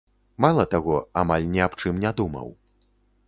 Мала таго, амаль ні аб чым не думаў.